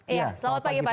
iya selamat pagi pak